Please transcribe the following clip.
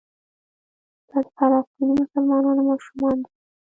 دا د فلسطیني مسلمانانو ماشومان دي.